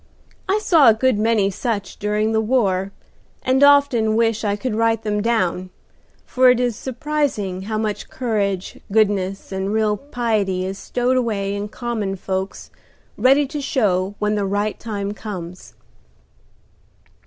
I saw a good many such during the war, and often wish I could write them down, for it is surprising how much courage, goodness and real piety is stowed away in common folks ready to show when the right time comes."